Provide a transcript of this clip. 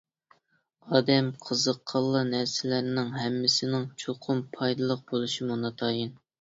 ئادەم قىزىققانلا نەرسىلەرنىڭ ھەممىسىنىڭ چوقۇم پايدىلىق بولۇشىمۇ ناتايىن.